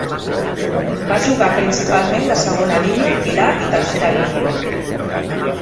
Va jugar principalment de segona línia, pilar i tercera línia.